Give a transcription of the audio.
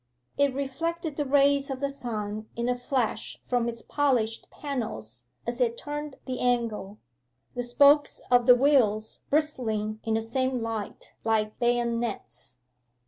It reflected the rays of the sun in a flash from its polished panels as it turned the angle, the spokes of the wheels bristling in the same light like bayonets.